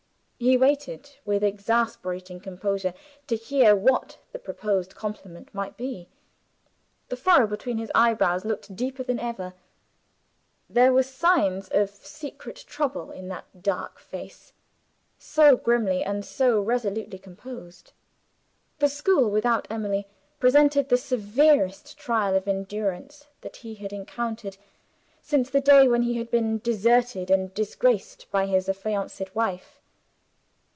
He waited, with exasperating composure, to hear what the proposed compliment might be. The furrow between his eyebrows looked deeper than ever. There were signs of secret trouble in that dark face, so grimly and so resolutely composed. The school, without Emily, presented the severest trial of endurance that he had encountered, since the day when he had been deserted and disgraced by his affianced wife.